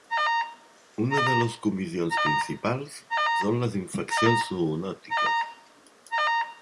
Una de les comissions principals són les infeccions zoonòtiques.